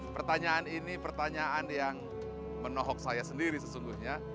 pertanyaan ini pertanyaan yang menohok saya sendiri sesungguhnya